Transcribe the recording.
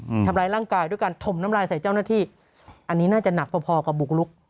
อืมทำร้ายร่างกายด้วยการถมน้ำลายใส่เจ้าหน้าที่อันนี้น่าจะหนักพอพอกับบุกลุก